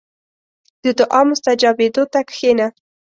• د دعا مستجابېدو ته کښېنه.